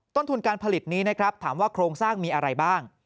ต้นทุนการผลิตนี้นะครับถามว่าโครงสร้างมีอะไรบ้าง